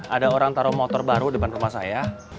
ada orang taruh motor baru depan rumah saya